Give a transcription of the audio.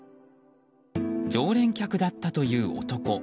常連客だったという男。